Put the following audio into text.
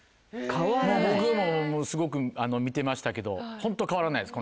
僕もすごく見てましたけどホント変わらないです